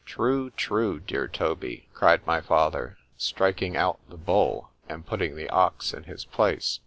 ——True, true, dear Toby, cried my father, striking out the bull, and putting the ox in his place.